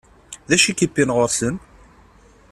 D acu i k-iwwin ɣur-sen?